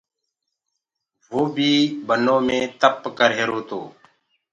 وو بيٚ بنو مي تَپَ ڪريهرو تو